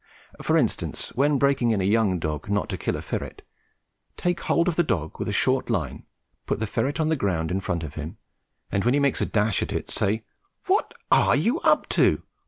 For instance, when breaking in a young dog not to kill a ferret, take hold of the dog with a short line, put the ferret on the ground in front of him, and when he makes a dash at it say, "What are you up to?